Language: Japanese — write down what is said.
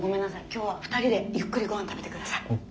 今日は２人でゆっくりごはん食べてください。